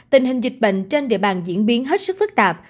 tình hình dịch bệnh trên địa bàn diễn biến hết sức phức tạp